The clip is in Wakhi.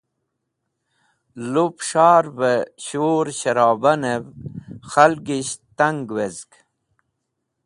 Lup S̃harve Shur Sharabanev Khalgisht Tang Wezg